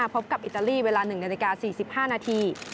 พบกับอิตาลีเวลา๑นาฬิกา๔๕นาที